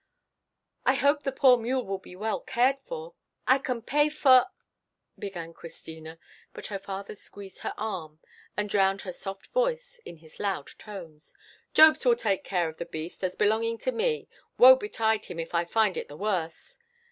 "I hope the poor mule will be well cared for. I can pay for—" began Christina; but her father squeezed her arm, and drowned her soft voice in his loud tones. "Jobst will take care of the beast, as belonging to me. Woe betide him, if I find it the worse!"